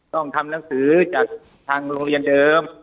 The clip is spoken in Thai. ต้องทำหนังสือจากทางโรงเรียนเดิม